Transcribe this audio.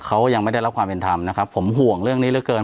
เขายังไม่ได้รับความเป็นธรรมนะครับผมห่วงเรื่องนี้เหลือเกิน